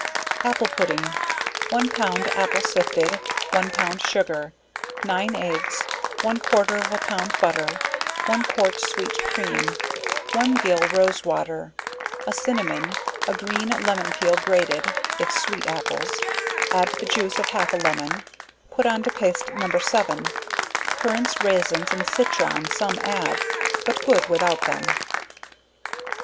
Apple Pudding. One pound apple sifted, one pound sugar, 9 eggs, one quarter of a pound butter, one quart sweet cream, one gill rose water, a cinnamon, a green lemon peal grated (if sweet apples,) add the juice of half a lemon, put on to paste No. 7. Currants, raisins and citron some add, but good without them.